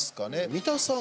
三田さん